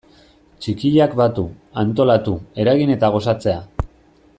Txikiak batu, antolatu, eragin eta gozatzea.